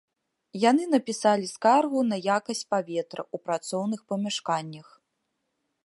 Яны напісалі скаргу на якасць паветра ў працоўных памяшканнях.